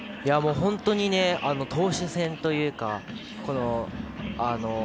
本当にね、投手戦というか。